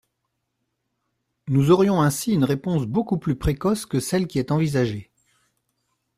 Nous aurions ainsi une réponse beaucoup plus précoce que celle qui est envisagée.